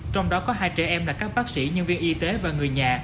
trong đó có hai trẻ em là các bác sĩ nhân viên y tế và người nhà